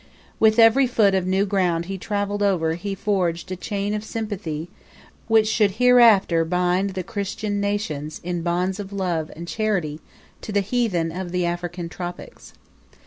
With every foot of new ground he travelled over he forged a chain of sympathy which should hereafter bind the Christian nations in bonds of love and charity to the Heathen of the African tropics.